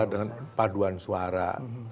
dengan paduan suara